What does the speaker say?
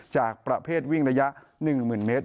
จากประเภทวิ่งระยะ๑๐๐๐เมตร